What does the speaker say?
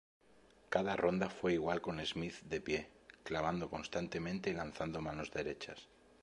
Cada ronda fue igual con Smith de pie, clavando constantemente y lanzando manos derechas.